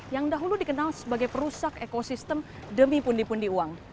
yang dahulu dikenal sebagai perusak ekosistem demi pundi pundi uang